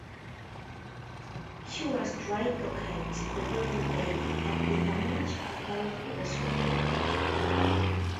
She was drydocked the following day, and the damaged propeller was repaired.